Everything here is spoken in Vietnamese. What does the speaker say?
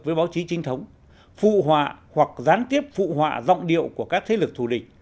với báo chí trinh thống phụ họa hoặc gián tiếp phụ họa giọng điệu của các thế lực thù địch